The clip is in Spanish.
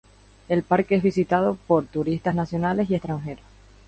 El parque es visitado por turistas nacionales y extranjeros.